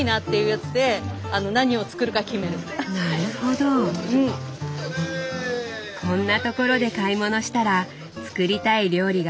こんなところで買い物したら作りたい料理が増えそうですね。